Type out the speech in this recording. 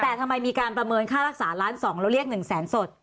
แต่ทำไมมีการประเมินค่ารักษาล้าน๒แล้วเรียก๑แสนสด